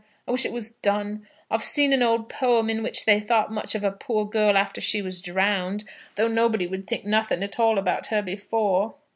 I wish it was done. I've seed an old poem in which they thought much of a poor girl after she was drowned, though nobody wouldn't think nothing at all about her before."